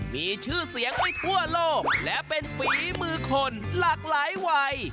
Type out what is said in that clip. มีชื่อเสียงไปทั่วโลกและเป็นฝีมือคนหลากหลายวัย